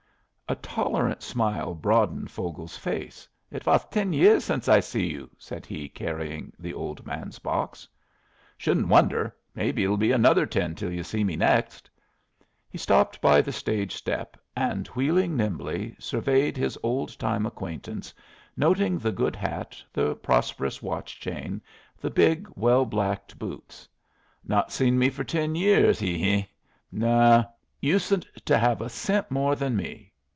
A tolerant smile broadened Vogel's face. "It was ten years since I see you," said he, carrying the old man's box. "Shouldn't wonder. Maybe it'll be another ten till you see me next." He stopped by the stage step, and wheeling nimbly, surveyed his old time acquaintance, noting the good hat, the prosperous watch chain, the big, well blacked boots. "Not seen me for ten years. Hee hee! No. Usen't to have a cent more than me.